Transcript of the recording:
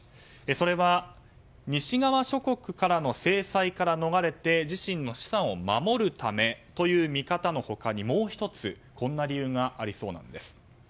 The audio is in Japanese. それは、西側諸国からの制裁から逃れて自身の資産を守るためという見方のほかにもう１つ、こんな理由がありそうなんです。